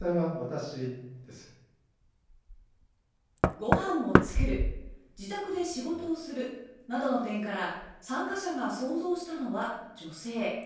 ご飯を作る自宅で仕事をするなどの点から参加者が想像したのは女性。